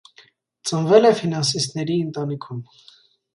Ծնվել է ֆինանսիստների ընտանիքում։